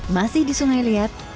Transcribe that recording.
masih di sungai liat